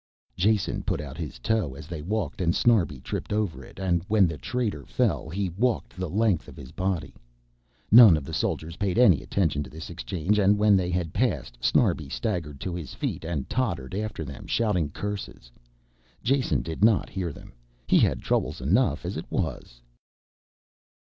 Jason put out his toe as they walked and Snarbi tripped over it and when the traitor fell he walked the length of his body. None of the soldiers paid any attention to this exchange and when they had passed Snarbi staggered to his feet and tottered after them shouting curses. Jason did not hear them, he had troubles enough as it was.